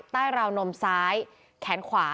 ราวนมซ้ายแขนขวา